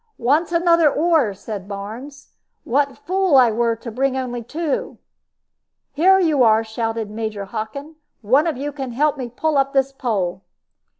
"Wants another oar," said Barnes. "What a fool I were to bring only two!" "Here you are!" shouted Major Hockin. "One of you help me to pull up this pole."